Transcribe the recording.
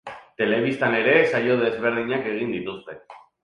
Telebistan ere saio desberdinak egin dituzte.